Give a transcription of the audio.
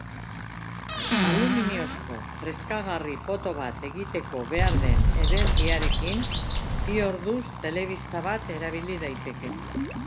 Aluminiozko freskagarri poto bat egiteko behar den energiarekin, bi orduz telebista bat erabili daiteke.